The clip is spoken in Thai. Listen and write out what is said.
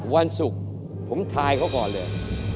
วันศุกร์ผมทายเขาก่อนเลย